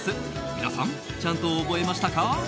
皆さん、ちゃんと覚えましたか？